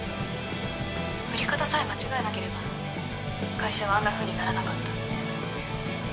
売り方さえ間違えなければ会社はあんなふうにならなかった。